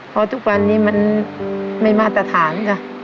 เพราะทุกวันนี้มันไม่มาตรฐานจ้ะ